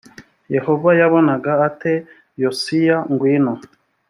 yehova yabonaga ate yosiya ngwino